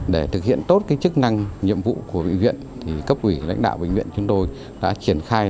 để thực hiện tốt chức năng nhiệm vụ của bệnh viện thì cấp ủy lãnh đạo bệnh viện chúng tôi đã triển khai